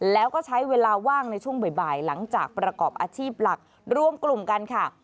แล้วก็ใช้เวลาว่างในช่วงบ่ายหลังจากประกอบอาชีพหลักรวมกลุ่มกันค่ะ